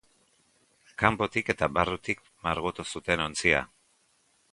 Kanpotik eta barrutik margotu zuten ontzia.